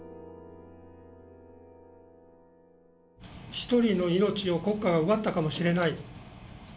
一人の命を国家が奪ったかもしれない。